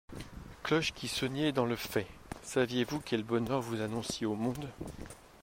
Cloches qui sonniez dans le faîte, saviez-vous quel bonheur vous annonciez au monde?